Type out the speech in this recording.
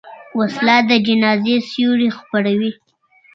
وسله د جنازې سیوري خپروي